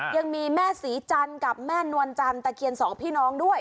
ยังมีแม่ศรีจันทร์กับแม่นวลจันทร์ตะเคียนสองพี่น้องด้วย